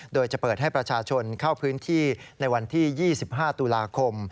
โดยจะเปิดให้ประชาชนเข้าพื้นที่ในวันที่๒๕ตุลาคม